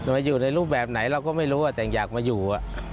มาอยู่ในรูปแบบไหนเราก็ไม่รู้แต่อยากมาอยู่